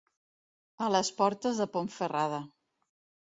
A les portes de Ponferrada.